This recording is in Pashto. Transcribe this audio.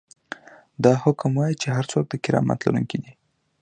دا حکم وايي چې هر څوک د کرامت لرونکی دی.